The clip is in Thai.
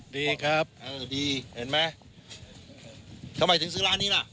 ดีครับเออดีเห็นไหมทำไมถึงซื้อร้านนี้ล่ะ